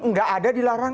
enggak ada dilarang